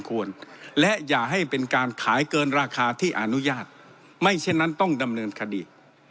และอย่าให้เป็นการขายเกินราคาที่อนุญาตไม่เช่นนั้นต้องดำเนินคดี